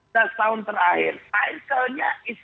tahun terakhir titelnya adalah